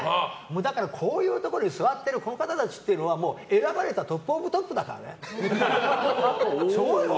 だから、こういうところに座っている方たちっていうのは選ばれたトップオブトップだからね。